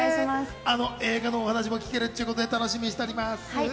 あの映画の話も聞けるっちゅうことで、楽しみにしています。